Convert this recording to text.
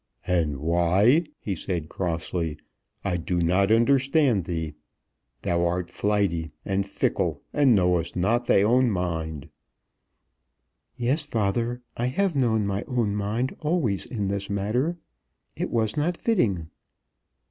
"And why?" he said crossly. "I do not understand thee. Thou art flighty and fickle, and knowest not thy own mind." "Yes, father; I have known my own mind always in this matter. It was not fitting."